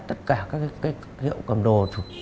tất cả các hiệu cầm đồ